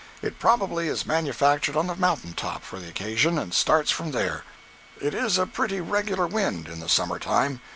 It probably is manufactured on the mountain top for the occasion, and starts from there. It is a pretty regular wind, in the summer time.